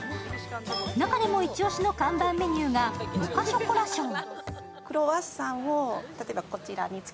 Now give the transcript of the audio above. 中でもイチ押しの看板メニューがモカショコラショー。